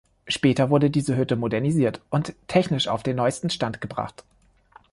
Später wurde diese Hütte modernisiert und technisch auf den neuesten Stand gebracht.